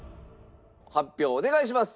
発表お願いします！